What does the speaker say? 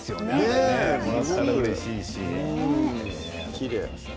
きれい。